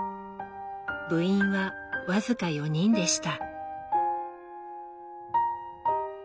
部員は僅か４人でした。